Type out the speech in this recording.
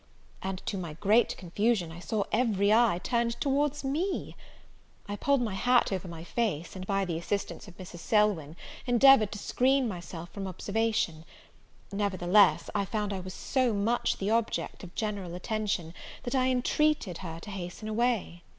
and, to my great confusion, I saw every eye turned towards me. I pulled my hat over my face, and, by the assistance of Mrs. Selwyn, endeavoured to screen myself from observation, nevertheless, I found I was so much the object of general attention, that I entreated her to hasten away.